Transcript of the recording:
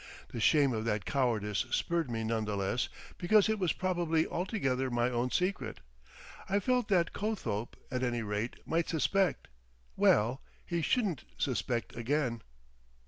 The shame of that cowardice spurred me none the less because it was probably altogether my own secret. I felt that Cothope at any rate might suspect. Well,—he shouldn't suspect again.